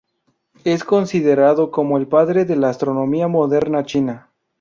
Es considerado como el padre de la astronomía moderna china.